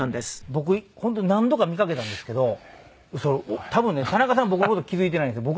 僕本当に何度か見かけたんですけど多分ね田中さんは僕の事気付いてないんですよ。